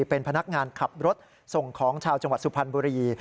เป็นพนักงานขับรถส่งของชาวจังหวัดสุพรรณบุรี